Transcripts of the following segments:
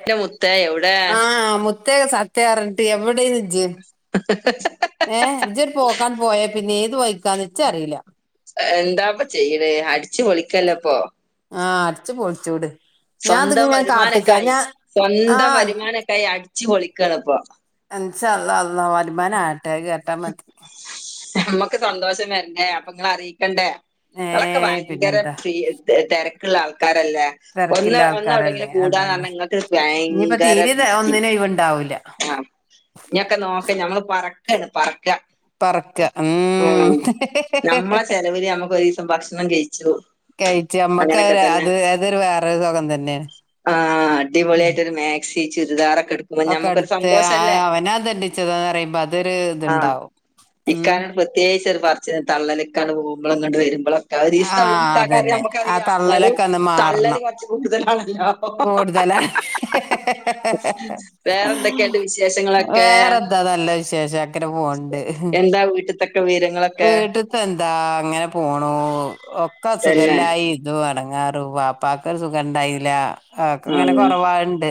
എന്റെ മുത്തേ എവിടെ ആഹ മ പ്രത്യേക സത്യറിഞ്ഞിട്ട് എവിടെന്ന്ജയം ഏ ഇചി പോക്കാൻ പോയേ പിന്നെ ഏത് വയ്ക്കാന്ന് വെച്ച അറിയില്ല ഇണ്ടാവുമ്പോ ചെയ്യണെ അടിിച്ചു പൊളിക്കല്ലപ്പൊ ആഹ് അടച്ചു പൊളിച്ചൂട് ഞാൻ സ്വന്തം ഇതിങ്ങനെ കാത്ത്ക്കാ വരുമാനൊക്കായി ഞാൻ സ്വന്തം ആഹ് വരുമാനൊക്കായി അടിച്ചു പൊളിക്കണപ്പൊ ഇൻശാ അല്ലാഹ് അള്ള വരിമാന ആട്ടെ അത് കേട്ടാ മതി നമ്മക്ക് സന്തോഷം വരട്ടെ അപ്പൊ നിങ്ങ അറിയിക്കണ്ടേ നിങ്ങളൊക്കെ ഏഹ് ഭയങ്കര പിന്നെന്താ തിരക്കുള്ള ആൾക്കാരല്ലേ ഒന്ന് തെരക്കില്ല ഒന്ന് ആൾക്കാരല്ലേ അവിടെയങ്കിലും കൂടാൻ പറഞ്ഞ അതന്നെ നിങ്ങൾക്ക് ഭയങ്കര ബിസി ഒഴിവുണ്ടാവൂില്ല ആഹ ഇനൊക്കെ നോക്ക ഞങ്ങള് പറക്കാണ് പറക്ക പറക്ക ആ ഉം നമ്മ ചെിലവൽ നമ്മുക്ക്ൊ ഒരു ദിവസം ഭക്ഷണം കഴിച്ചു കഴച്ച് നമ്മക്ക് അങ്ങനൊക്കെ അത് അഏതൊരു വേറെൊ സുഖം തന്നെയാണ് ആ് അടിപൊളിയായിയിട്ടൊരു മാക്സി ചുരിദാറൊക്കെ എടുക്ക ഒക്കെ അടുത്ത് അവന ദണ്ടിച്ചതന്ന് പറയുമ്പോ അതൊരു ആഹ് ഇത്ണ്ടാവും ഉം ഇക്കാനോട് പ്രത്യേകിച്ച് ഒരു പറച്ച തള്ളലക്കാണ് പോക്പോഴ അങ്ങണ്ട് വരുമ്പോഴും ഈ ആ സ്ഥലംന്ന കിട്ടറിയ അതന്നെ ആ നമുക്കറിയാം എന്നാലും തള്ളലൊക്കെ ഒന്ന് തള്ളല് കുറച്ച് കൂടുതലാണല്ലോ കൂടുതലാ ഹഹഹ വേറെന്തൊക്കെയുണ്ട് വിശേഷങ്ങളൊക്കെ വേറെന്താ നല്ല വിശേഷം അങ്ങനെ പോണ്ട് ഉയരങ്ങളക്കെ വീട്ടത്തെ എന്താ അങ്ങനെ പോണു ഒക്കെ അ തന്നെ സുഖല്ലായി ഇത് വണങ്ങാറു പാപ്പക്ക് ഒരു സുഖ ഇണ്ടായില്ല അക്ക ഇങ്ങനെ കുറവണ്ട്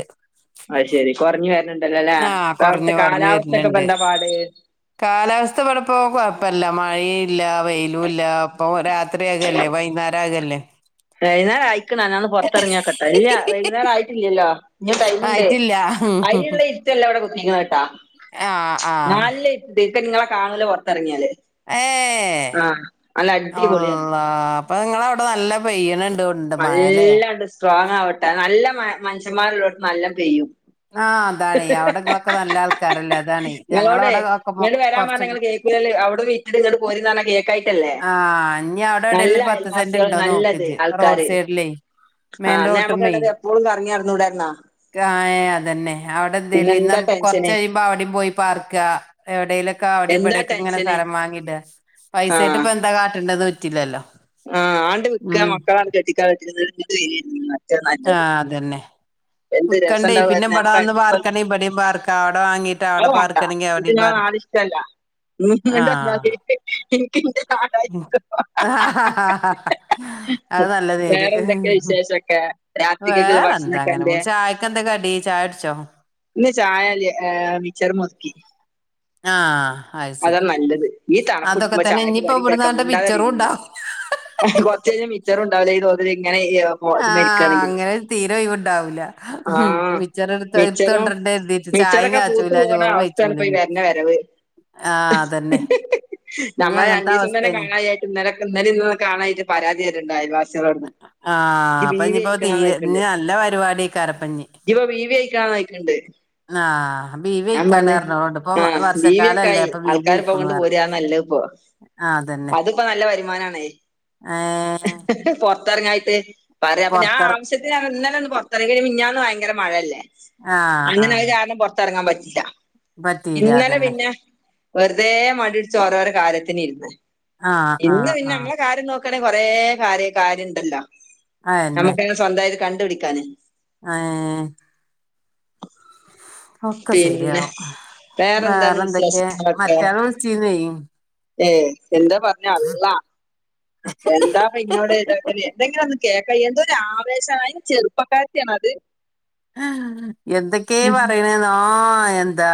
അഹ ശെരി കുറഞ്ഞു വരണണ്ടല്ലോ അല്ലേ ആ അപ്പ അവിടുത്തെ കൊറഞ്ഞു കൊറഞ്ഞു കാലാവസ്ഥക്കെ ബ വരുന്നുണ്ട് എന്താ പാട് കാലാവസ്ഥ ഇവിടെപ്പോ കുഴപ്പല്ല മഴ ഇല്ല വെയിലും ഇല്ല അപ്പൊ രാത്രിയാകല്ലേ വൈകുന്നേരം ആകല്ലേ വൈകുന്നേരം ആയിക്കണ ഞന്ന് പുറത്തിറങ്ങിയക്കട്ടെ ഇല്ല വൈകുന്നേരം ആയിട്ടില്ലല്ലോ ഇനി ടൈമുണ്ട് ആയിട്ടില്ല അരിള്ള ല്ല ഇവിടെ കുക്കി കേട്ടാ ആ ആ നഞല്ലക്ക നിങ്ങളെ കാണല പുൊറത്തിറങ്ങിയാല് ഏ ആഹ അല്ല അടിപൊളിയ ബ് അപ്പൊ നിങ്ങ അവിടെ നല്ല പെയ്യന ഉണ്ട നല്ലണ്ട് സ്ട്രോങ് ആവട്ടെ നല്ല മനുഷ്യന്മാരുള്ളവർ നല്ല പെയ്യും ആഹ് അതാണേ. അവിടെങ്ങളൊക്കെ നല്ല ആൾക്കാരല്ലേ അതാണേ. ഞങ്ങളവടെ ഒക്കെ കൊറച്ച് ന്നാല് അവടെ വിറ്റ്ട്ട് ഇങ്ങട് പോര് പറഞ്ഞ കേക്കായി ആഹ് ഇഞ്ഞി അവടെ എവിടേലും ഒരു പത്ത് അയൽവാസികൾ സെന്റ്ണ്ടോ നോക്കിജ്ജ്. റോഡ് സൈഡിലേ മെയിൻ ആന്നാ നമ്മക്ക് രണ്ടാക്കും എപ്പോഴും കറങ്ങിയടന്നൂടായിരുന്നാ? കായേ അതന്നെ. അവടെ എന്തേലു ഇന്ന എന്താ ടെൻഷന് കൊറച്ചഴിയും അവിടിം പോയി പാർക്കാ. എവിടെലു ഒക്കെ അവിടേം എന്താ ഇവടേം ക്കെ ങ്ങനെ ടെൻഷന് സ്ഥലം വാങ്ങിടാ. ആ പൈസേട്ട് കാട്ടണ്ടത് പറ്റില്ലല്ലോ? ആഹ് ആണ്ട് വിക്ക ഉം മക്കളാങ്ങാട് കെട്ടിക്കാൻ [unintelligible] ആഹ് അതന്നെ എന്ത് രസം വിക്കണ്ടേയ്. പിന്ന ഉണ്ടാവുമായിരുന്നു ഇബടെ നമുക്ക് വന്ന് അടിച്ച് പാർക്കണെ ഇബടേം പാർക്കാ. അവടെ വാങ്ങീട്ട് അവടെ പാർക്കണെങ്കി അവടെയും പാർക്കാ. ല്ലാ ന്നിട്ട് [unintelligible] എനിക്ക് എന്റെ നാടായിട്ട് ആാ ആാ ആാാ വേറെന്തൊക്കെ വിശേഷൊക്കെ? രാത്രിക്കൊക്കേള്ള ഭക്ഷണൊക്കെ അന്റെ എന്താ കടി? ചായ കുടിച്ചോ? ഇന്ന് ചായല്യാ. മിച്ചർമ്മൊതുക്കി. ആഹ് അഹ് അതാ നല്ലത്. ഈ തണുപ്പ്ട്ട്മ്പോ ചായക്ക് ഇനിയിപ്പോ കടിണ്ടാക്ക. ഇവിടുന്നാണ്ട് മുണ്ടാതെവിടെ മിച്ചറും ഇരുന്നോളിൻ ഉണ്ടാവും കൊർച്ചയ്ഞ്ഞ മിച്ചറുണ്ടാവൂല. ഈ തോതിലിങ്ങനേയാ ആഹ് അങ്ങനൊരു തീരൊയ് വുണ്ടാവൂല ആഹ് മിച്ചറും, കരുതീട്ട് ചായിം മിച്ചറൊക്കെ പൂത്ത് കാച്ചൂല പോണ ചോറും അവസ്ഥേണ് വെയ്ച്ചൂല പ്പ ഈ ഇഞ്ഞ്. വരണ വരവ് ആഹ് അതന്നെ ഇഞ്ഞ് നമ്മളെ അങ്ങൻത്തെ രണ്ടീസം തന്നെ അവസ്ഥേണ്. കാണാല്ലാ ക്കെ ഇന്നലിന്നൊക്കെ കാണായ്ട്ട് പരാതിറയ്ണ്ട് അയൽവാസ് ആഹ് അപ്പഞ്ഞിപ്പോ തീരെ ഞ്ഞി നല്ല പരിപാടിയേക്കാരപ്പിഞ്ഞി ഇയ്യിപ്പോ ബീവിയായിരിക്കണോന്നോയ്ക്ക്ണ്ട് ആഹ് ബീവിയയ്ക്കാണർഞ്ഞോളുണ്ടു. ഇപ്പ ആഹ് ബീവിയൊക്കെ വർഷക്കാലല്ലേ ആയി അപ്പ ആൾക്കാരിപ്പോ ബീവ്യയ്ക്കുണു കൊണ്ട് പറ ആഹ് അതന്നെ അത്പ്പോ നല്ല വരുമാനാണേ ആഹ് പൊർത്തർങ്ങായ്ട്ട് പറയാ അപ്പ ഞാൻ പൊർത്തെർ ആവശ്യത്തിനേർങ്ങും ഇന്നലെ ഒന്ന് പൊർത്തർങ്ങിടി മി ഞ്ഞാന്ന് ഭയങ്കര മഴല്ലേ? ആഹ് അങ്ങനെ അത് ആഹ് കാരണം പൊർത്തർങ്ങാൻ പറ്റീല്ല. പറ്റീല ഇന്നലെ അതന്നെ പിന്നെ വെർതേ മടിയുട്ച്ചോരോരോ കാര്യത്തിനിര്ന്ന് ആഹ് ഇന്ന് ആഹ് പിന്നെ ആഹ് മ്മളെ കാര്യം നോക്ക് ണേ കൊറേ കാര്യ കാര്യണ്ടല്ലോ അയന്നെ നമുക്കെന്നെ സ്വന്തായിട്ട് കണ്ടുപിടിക്കാന് ഏഹ് ഒക്ക പിന്നെ സെരിയാവും. വേറെന്താണ് വേറെന്തൊക്കേ? മറ്റാള് വിളിച്ചീന്നെയ് ഏഹ് എന്താ പർഞ്ഞള്ളാ. എന്താപ്പ ഇന്നോട് ഇതാക്ക എന്തെങ്കിലു ഒന്ന് കേക്ക എന്തോ ആവേശാണ് അയ്‌ന്. അയ്‌ന് ചെറുപ്പക്കാരത്തി ആണോ അത്. ആഹ് എന്തൊക്കേ ഉം. പറയ്ണ് ആഹ് എന്താ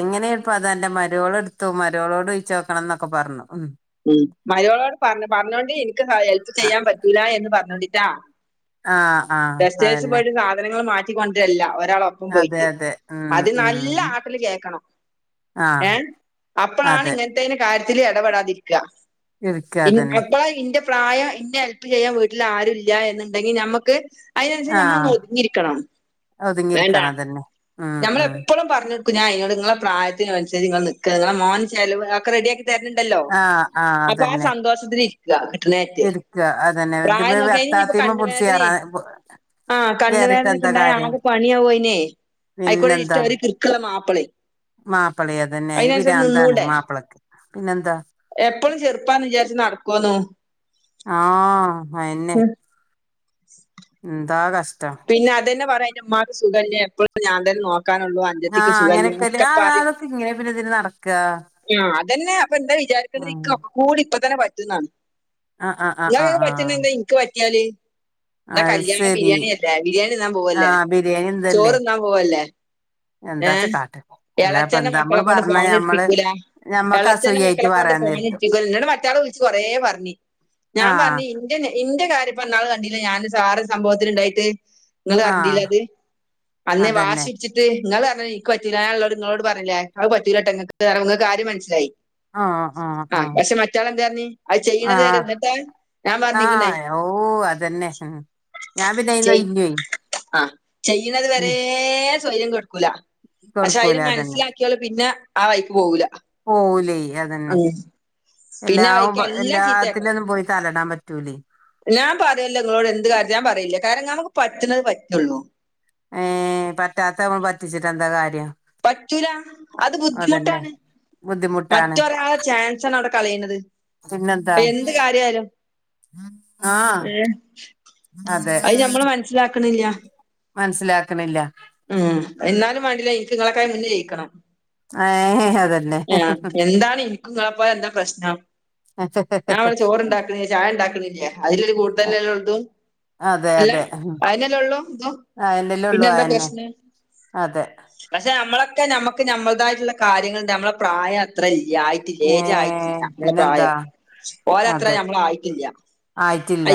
എങ്ങനേപ്പത് അൻ്റെ മരോളട്ത്തോ? മരോളോടോയ്ച്ചോ? ണംന്നൊക്കെ പറഞ്ഞു. ഉം ഉം മരോളോട് പറഞ്ഞ്. പറഞ്ഞോണ്ടീൻക്ക് സഹ ഹെൽപ്പ് ചെയ്യാൻ പറ്റൂല എന്ന് പർഞ്ഞോണ്ടിട്ടാ ആഹ് ആഹ് ടെസ്റ്റൈൽസ് അതന്നെ പോയിട്ട് സാധനങ്ങള് മാറ്റിക്കൊണ്ടര്ല്ല. ഒരാളോ പ്പം അതെ പോയിട്ട്. അതെ ഉം അത് ഉം നല്ല ആട്ടല് കേക്കണം. ആഹ് ഏഹ് അതെ അപ്പളാണ്ങ്ങ നേ കാര്യത്തില് എടപെടാതിരിക്കാ. ഇരിക്ക ഇൻ അതന്നെ അപ്പളാ ഇന്റെ പ്രായം ഇന്നെ ഹെല്പ് ചെയ്യാൻ വീട്ടിലാരുല്ല എന്നുണ്ടെങ്കി ഞമ്മക്ക് അയ്നനുസരിച്ച് ആഹ് നമ്മളൊന്നൊതുങ്ങിരിക്കണം. വേണ്ടാ ഒതുങ്ങിയിരിക്കണം അതന്നെ ഉം ഉം നമ്മളെപ്പളും പർഞ്ഞോടുക്കും ഞാനയ്നോട് ങ്ങളെ പ്രായത്തിനുസരിച്ച് ങ്ങള് നിക്ക്. ങ്ങളെ മോൻ ചെലവ് അതൊക്കെ റെഡിയാക്കി തര്ണ് ണ്ടല്ലോ ആഹ് ആഹ് അപ്പ ആ അതന്നെ സന്തോഷത്തിലി ഇരിക്ക അതന്നെ [unintelligible] ഇതിപ്പോ പ്രായല്ലോക്കയ്നിപ്പൊ അത്താത്തിമ പിടിച്ച് കണ്ണുവേദനീം കേറാൻ ആഹ് കേറിട്ട് എന്താ കണ്ണുവേദനൊക്കെണ്ടായാ കാര്യം ആകെ പണിയാവയ്നെ ആയ്ക്കൂടെ [unintelligible] കിർക്ക്ള്ള മാപ്പിളി മാപ്പിളി അത് തന്നെ അയിന് പിരാന്താണ് നിന്നൂടെ മാപ്പളക്ക് പിന്നെന്താ എപ്പളും ചെർപ്പാന്ന് വിചാരിച്ചു നട്ക്കോന്നു ആഹ് [unintelligible] [inaudible] എന്താ കഷ്ടം പിന്ന അത് തന്നെ പറയാ എന്റെ ഉമ്മാക്ക് സുഖല്ല എപ്പോളും ഞാൻ തന്നെ നോക്കാനുള്ളു ആഹ് അങ്ങനെയൊക്കിതിന് [unintelligible] ക്കെങ്ങനെ പിന്നെതിന് നടക്കാ ആഹ് അതന്നെപ്പൊന്താ വിചാരിക്കുന്നത് ക്കക്കൂടി ഇപ്പ തന്നെ പറ്റുംന്നാണ് ആഹ് ആഹ് ആഹ് [unintelligible] ആഹ് ആഹ് പറ്റുന്ന്ണ്ടേ ഇൻക്ക് പറ്റിയാല് ന്നാ അത് കല്യാണം ശരി ബിരിയാണി ബിരിയാണിന്നാൻ പോവല്ലേ ആഹ് ബിരിയാണി എന്തല്ലേ ചോറ്ന്നാൻ പോവല്ലേ ഏ എന്താച്ച കാട്ട അല്ലാപ്പ എളച്ചന്റെ എന്താ മക്കളെ നമ്മള് കൊണ്ട് പറഞ്ഞ ഫോൺ ഞമ്മള് എടുപ്പിക്കൂല ഞമ്മക്ക് എളച്ചന്റെ അസൂയായിട്ട് മക്കളെക്കൊണ്ട് പറയാൻ നേരത്തും ഫോണിട്പ്പിക്കൂല ന്നോട് മറ്റാള് വിളിച്ച് കൊറേ പറഞ്ഞ് ഞാൻ ആഹ് പറഞ്ഞ് ഇന്റെ ഇന്റെ കാര്യംപ്പന്നാള് കണ്ടില്ലേ ഞാന് സാറ് സംഭവത്തില്ണ്ടായ്ട്ട് നിങ്ങൾ ആഹ് അറിഞ്ഞില്ലത് അന്ന് അതന്നെ വാശിച്ചിട്ട ട്ട് നിങ്ങള് പറഞ്ഞ ഈ കൊച്ചിനെ ഞാൻ ഉള്ള നിങ്ങളോട് പറഞ്ഞിലേ അവ് കൊച്ചിലോട്ട നിങ്ങക്ക് കാര്യം മനസ്സിലായി ആഹ് പക്ഷെ മറ്റാൾ എന്താ പറഞ്ഞ അത് ചെയ്യണത് വരെ ആഹ് എന്നിട്ട് ഞാൻ പറഞ്ഞിക്കണേ ആഹ് ഓ അതന്നെ ഉം ഞാൻ പിന്നെ [unintelligible] ചെയ്യണുന്നത് ഉം വരെ സ്വര്യം കൊടുക്കൂല പക്ഷെ കൊടുക്കൂല അയിന് അതന്നെ മനസ്സിലാക്കി പിന്നെ ആ വഴിക്ക് പോകില്ല ഓല്ലേ അതന്നെ പിന്നെ ആ എല്ലാവും വഴിക്ക് എല്ലാം എല്ലാത്തിലും ചീത്തയാക്കണം ഒന്നും പോയി തലയിടാൻ പറ്റൂലേ ഞാൻ പറയല്ല നിങ്ങളോട് എന്ത് കാര്യം ഞാൻ പറയില്ല കാരണം ഞമുക്ക് പറ്റുന്നത് പറ്റുള്ളൂ ഏഹ് പറ്റാത്തവൻ പറ്റിച്ചിട്ട് എന്താ കാര്യം പറ്റൂല അത് അതന്നെ ബുദ്ധിമുട്ടാണ് ബുദ്ധിമുട്ടാണ് മറ്റൊരാളെ ചാൻസ് ആണ് അവിടെ കളയുന്നത് പിന്നെന്താ അപ്പൊ എന്ത് കാര്യ ആയാലും ആ ഏഹ് അതെ അത് നമ്മൾ മനസിലാക്കണില്ല മനസ്സിലാക്കണില്ല ഉം എന്നാലും വേണ്ടില്ലേ എനിക്ക് നിങ്ങളക്കായി മുന്നേ ജയിക്കണം ഏ അതന്നെ ആഹ് എന്താണ് ഇനിക്കുംങ്ങളെപ്പ എന്താ പ്രശ്നം ഞാൻവിടെ ചോറ്ുണ്ടാക്കുന്നേ ചായ ഉണ്ടാക്കുന്നില്ലേ അതിലൊരു കൂടുതൽ ഉള്ളതും അതെ അല്ല അതെ അതിനല്ല ഉള്ളോ അയന്നല്ലേ പിന്നെ ഉള്ളൂ എന്താ അയന്നെ പ്രശ്ന ഉം അതെ [inaudible] പക്ഷെ നമ്മളൊക്കെ നമ്മുക്ക് നമ്മളതായിട്ടുള്ള കാര്യങ്ങൾ നമ്മെ പ്രായം അത്ര ഇല്ല ഏ ഏജ് ആയിട്ടില്ല നമ്മുടെ പിന്നെന്താ പ്രായം ഓരത്ര അതെ നമ്മളായിട്ടില്ല ആയിട്ടില്ല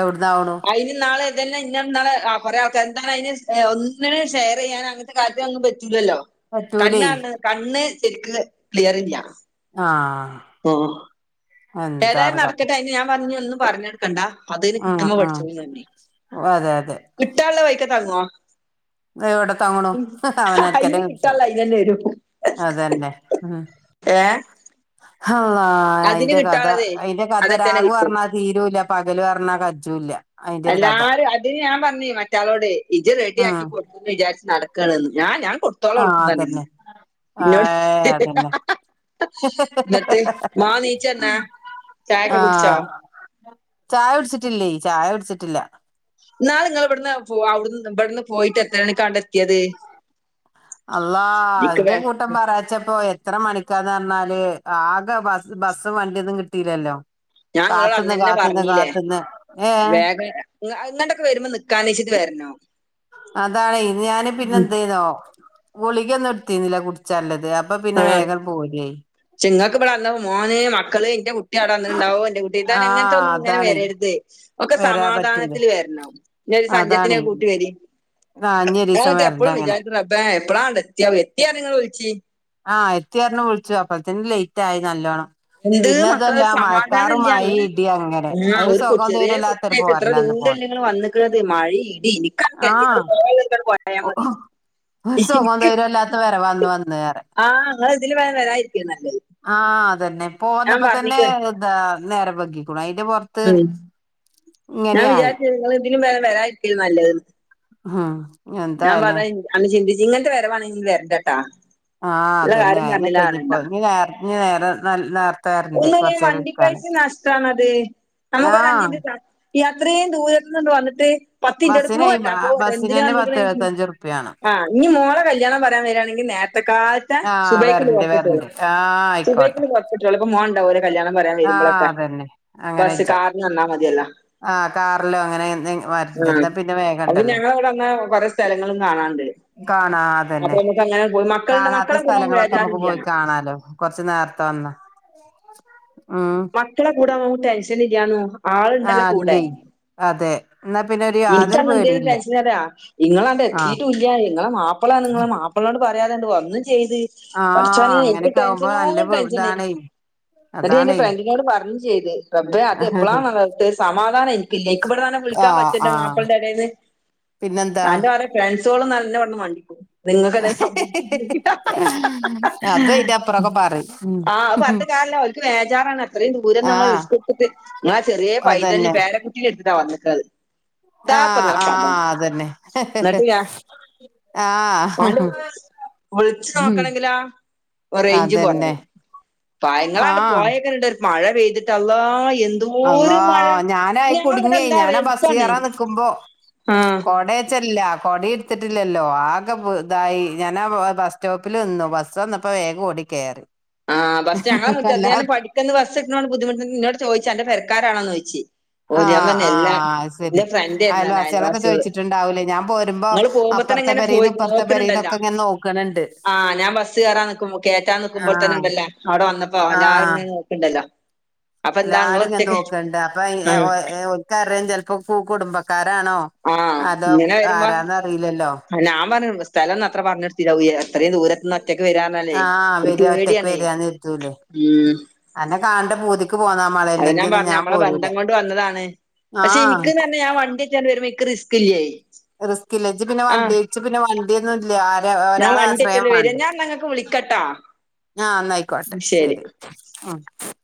എവിടന്നാവണ് അതിന് നാളെ ഇതന്നെ ഇന്ന നാളെ കുറെ ആൾക്ക എന്താണ് അതിന് ഒന്നിനും ഷെയർ ചെയ്യാൻ അെ [inaudible] പറ്റൂലല്ലോ പറ്റൂലേ കണ്ണാണ് കണ്ണ് ശരിക്ക് ക്ലിയർ അല്ല ആഹ് ഉം ഏതായാലും നടക്കട്ടെ അയിന് ഞാൻ പറഞ്ഞ് ഒന്നും പറഞ്ഞെടുക്കണ്ടാ അതിന് ആഹ് കിട്ടുമ്പോ പഠിച്ചത്ു തന്നെ ആഹ് അതെ അതെ കിട്ടാനുള്ള വൈക്ക താങ്ങുവ എവിടെ തങ്ങണു അവനക്കനെ അയിന് കിട്ടാല കിട്ടത് അതന്നെ വരു അതന്നെ ഉം ആഹ് ആ അതിന് അതിന്റെ കഥ കിട്ടാനുള്ളതേ അയിന്റെ കഥ അതൊക്കെ തന്നെ രാഗു കിട്ടും പറഞ്ഞാൽ തീരല്ല പകല് പറഞ്ഞാൽ കജുംല്ല എല്ലാരും അതിന് ഞാൻ പറഞ്ഞി മറ്റളോട് ഇജ റെഡി ഉം ആക്കിടു അന്ന് വിചാരിച്ച് നടക്കണന്ന് ഞാ ഞാൻ കൊടുത്തോളം ആഹ് വിളക്കുന്ന ഇങ്ങനെ അതന്നെ ഇന്നോട് ആഹ് അതന്നെ [unintelligible] ചായക്കെ കുടിച്ചോ ആഹ് ചായ കുടിച്ചിട്ടില്ലേ ചായ കുടിച്ചിട്ടില്ല ഇന്നാള് നിങ്ങ ഇവിടുന്ന് പോ അവിടു ഇവിടെന്ന് പോയിട്ട് എത്ര മണിക്കാണ്ട എത്തിയത് അള്ള ഇക്ക് എന്ത്യേ വേ കൂട്ടം [unintelligible] ഇത്ര മണിക്കാർന്ന് പറഞ്ഞാല് ആകെ ബ ബസ്സും വണ്ടിയൊന്നും കിട്ടീല്ലല്ലോ ഞാൻ ഇങ്ങളോട് കാത്തുന്ന് അന്നന്നെ കാത്തുന്ന് കാത്തുന്ന് ഏഹ് അങ്ങട്ടൊക്കെ വരുമ്പോ നിക്കാനിരിക്കുവാരുന്നു അതാണ്ഞാന് പിന്നെ എന്ത ചെയ്യന്നോ ഗുളികൊന്നും എടുത്തിന്നില്ല കുടിച്ചല്ലത് അപ്പ പിന്നെ വേഗം പോലേ [unintelligible] ചെങ്ങൾക്ക് ഇവിടെ മോന് മക്കള് എന്റെട്ട കുട്ടി അട അന്ന ഉണ്ടാവോ എന്റെ കുട്ടി ഇതാൻ അങ്ങനത്തെ ആഹ് ഒന്നും ഇങ്ങനെ അതാണെ വരരുത് ഒക്കെ വരാൻ പറ്റൂല സമാധാനത്തിൽ വരണം ഒരു സഞ്ചത്തിന അതാണെ കൂട്ടി വരി ആഹ് ഇഞ്ഞി ഒരീസം ട്ട് വരണ്ട് എപ്പോഴും അങ്ങനെ വിചാരിക്കുന്നു അപ്പ എവിടാണ്ട് എത്തിയാ എത്തിയ നിങ്ങൾ വിളിച്ചത് ആഹ് എത്തി പറഞ്ഞണം വിളിച്ചു അപ്പഴത്തന് ലേറ്റ് ആയി നല്ലോണം എന്ത് പിന്നെ മക്കളെ അതല്ല ഒരു മഴക്കാറ സമാധാനം ഇല്ല മഴ ഇങ്ങൾ ഇടി അങ്ങനെ ആ അവര് ഒരു കൊ സുഖം ചെറിയ തരല്ലാ ഇത്ര ദൂരമല്ല നിങ്ങൾ വന്നിക്ക മഴ ഇടി ഇനിക്കണ്ട നിങ്ങൾ ആഹ് പോ നിങ്ങൾ കുയാൽ മതി ഒരു സുഖം തൊരും അല്ലാത്ത വറെ വന്ന വന്ന് വറെ ആഹ് അങ്ങനെ ഇതിലും ഭേതാ വരാതിരിക്കുന്ന താരിക്കുനല്ലത് ആഹ് അതന്നെ പോകന്നപ്പോ തന്നെ ഇതാ നേരം വൈകിക്കാണും അതിന്റെ പുറ ഉം ഞാൻ വിചാരിച്ച നിങ്ങ ഇതിനും വേരെ വരാതിരിക്ക നല്ലന്ന് ആഹ് ഞാൻ പറത അന്ന് ചിന്തിച്ചു ഇങ്ങനട്ടെ വരവാണെങ്കിൽ വരണ്ടേട്ടാ ആഹ് അതന്നെ അയിനെന്നിപ്പോ [unintelligible] ഒന്നിലും വണ്ടി പൈസ നഷ്ടമാണത് നമുക്കൊ ആഹ് അഞ്ഞിന്റെ യാത്രയും ദൂരത്തണ്ട വന്നിട്ട് പത്ത് എന്റടുക്കു ബസ്സിന് [unintelligible] എന്തിനാ ബസ്സിനന്നെ വന്ന പത്ത് ന്നെക്കണേ എഴുപത്തഞ്ച് ഉറുപ്പ്യാണ് ഇനി മോളെ കല്യാണം പറയാൻ വരികയാണെങ്കിൽ നേരത്തെ ആഹ് സുബൈ വരണ്ട് പുറപ്പെട്ട വരണ്ട് ആഹ് സുബൈക്ക ആയിക്കോട്ടെ പുപ്പെട്ട ളപ്പം മോണ്ടാവ ഓരോ കല്യാണം പറയാൻ ആഹ് വരുമ്പോൊക്കെ അതന്നെ അങ്ങനെ ബസ് ഇജ്ജ കാറിന് വന്നാ മതിയല്ല ആഹ് കാറിലോ അങ്ങനെ വരണ്ടാ പിന്നെ അപ്പൊ വേഗംണ്ടല്ലോ ഞങ്ങൾ ഇവിടെ വന്ന കൊറേ സ്ഥലങ്ങളും കാണാണ്ട് കാണാ അപ്പൊ അതന്നെ നമുക്ക് അങ്ങനെ പോയി മക്കളുണ്ട് കാണാത്ത മക്കളെ കൂടെ ഒന്നും സ്ഥലങ്ങളൊക്കെ നമുക്ക് വേജാറില്ല പോയി കാണാലോ കൊറച്ച നേരത്തെ വന്ന ഉം മക്കളെ കൂടൊ നമക്ക് ടെൻഷൻ ഇല്ലണ ആളുണ്ടല്ലേ ആഹ് കൂടെ ഇല്ലേ അതെ എന്നാ പിന്നെ ഒരു എനിക്ക് യാതൊരു അങ്ങനെതെരു പേടിയില്ല ടെൻഷൻരാ നിങ്ങള അവി ആഹ് എത്തിയിട്ട ഇങ്ങളെ മാപ്പ അപ്പളാണ് നിങ്ങളെ മാപ്പിളോട് പറയാതെണ്ട് വന്നും ചെയ്ത് ആഹ് പടച്ചോനെ എനിക്ക് അങ്ങനെയൊക്കെ ആവുമ്പോ ടെൻഷനോ നല്ല ടെൻഷന ഇതാണേ എന്നേ എന്റെ അതാണേ ഫ്രണ്ടിനോട് പറഞ്ഞു ചെയ്ത് റബേ അത് എപ്പോഴാാണ് സമാധാനം എനിക്കില്ല ക്ക്പ്പെടാനെ വിളിക്കാൻ പറ്റ ആഹ് എന്റെ ആഹ് മാപ്പളുടെ ഇടന്ന് പിന്നെന്താ തന്റെ പറ ഫ്രണ്ട്സുകളും നല്ലവിന്ന് മണ്ടിക്കും നിങ്ങൾക്ക് സംഭ അത് അയിന്റെ അപ്പറൊക്കെ [unintelligible] പറയും ആഹ് അത് ഉം പറഞ്ഞിട്ട് കാര്യമില്ല ഒലക് വേജാറാണ് അത്രയും ദൂരം നമ്മൾ ആഹ് നിങ്ങാ ചെറിയ പൈതല് അതന്നെ പേരക്കുട്ടിനെ എടുത്തിട്ട് വന്നത് ആഹ് ആഹ് അതന്നെ എന്നിട്ട് ഞാൻ [unintelligible] ആഹ് ആണ്ട് വിളിച്ചു ഹ് [unintelligible] നോക്കണെങ്കിലാ അതെന്നെ പയങ്ങളാണ് പോയക്കണ്ട് മഴ പെയ്തിട്ട അല്ലാഹ് എന്ത് അല്ലാഹ ഞാനയി കുടുങ്ങി എന്താ ഞാനാ ബസ് എളുപ്പാണ് കയറാൻ നിക്കുമ്പോ ആ കൊടച്ച കൊടുത്തിട്ടില്ലല്ലോ ആകെ ഇതായി ഞാൻ ആഹ് ബസ് സ്റ്റോപ്പ ഉപ്പിൽ നിന്നു ബസ് വന്നപ്പോ വേഗം ഓടി കയറി ആഹ് ബസ് ഞങ്ങളെ മുറ്റ അല്ലാ പാടി ക്ക് ന്ന് ബസ്സ് കിട്ടണോ ബുദ്ധിമുട്ട എന്നോട്ട് ചോദിച്ചാ അന്റെ പരക്കാരാണോന്ന് ചോദിച്‌ ഓഹ് ആഹ് [unintelligible] ആഹ് എല്ലാംഇന്റെ ഫ്രണ്ടെന്നു അന്ന് അയൽവാസികള് ഉണ്ടാവൂല ഞാൻ പോ ഇങ്ങള് പോകുമ്പോത്തന്നെ ഇങ്ങനെ പോയി നോക്ക്ണ് ണ്ടല്ലോ, പെരേന്നൊക്കെ ഇങ്ങനെ നോക്കണ് ണ്ട് ആഹ് ഞാൻ ബസ്സയറാ കേറ്റാൻ നിക്കുമ്പോൾ തന്നെ ആഹ് ഇണ്ടല്ലോ അവ്ടെ വന്നപ്പോ എല്ലാരും ആഹ് ഇങ്ങനെ നോക്ക്ണ്ടല്ലോ എല്ലാരും ഇങ്ങനെ നോക്ക്ണ്ട്. അപ്പം [unintelligible] ക്കറയാം, ചെലപ്പോ കുടുംബക്കാരാണോ ആഹ് അതോ ഇങ്ങനെ വരുമ്പോ ആരാന്നറിയില്ലല്ലോ ഞാൻ പറഞ്ഞ് സ്ഥലംന്ന് അത്ര പറഞ്ഞൊടുത്തില്ലാ പൂവിയെ ഇത്രിം ദൂരത്ത്ന്ന് ഒറ്റക്ക് വരാ പറനാല്ലേ ആഹ് വരിക ഒറ്റക്ക് ഒര്പേടിയാണ്. വരികന്ന് ഇരുത്തൂലേ ഹ്മ്മ് അന്നെ കാണണ്ട പൂതി അത് ഞാൻ പറഞ്ഞ് നമ്മളെ ബന്ധം കൊണ്ട് വന്നതാണ്. പക്ഷെ ആഹ് ഇന്ക്ക് പറഞ്ഞാ ഞാൻ വണ്ടിച്ചാണ്ട് വരുമ്പോ ഇന്ക്ക് റിസ്ക്കില്ലേ റിസ്ക് ഇല്ല ഇച്ച് പിന്നെ വണ്ടി ഇച്ച് പിന്നെ വണ്ടിയൊന്നുല്ലാ ആര് ഞാൻ ഒരാളെ വണ്ടി ആശ്രയം വെച്ചല്ലേ വരാ മാണ്ടെ ഞാൻ എന്നാ ഇങ്ങക്ക് വിളിക്കട്ടാ ആഹ് ഇന്നായിക്കോട്ടെ ശരി ശെരി. ഹ്മ്മ്